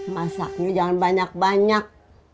masaknya jangan banyak banyak